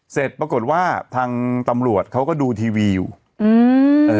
เสร็จปรากฏว่าทางตำรวจเขาก็ดูทีวีอยู่อืมเออ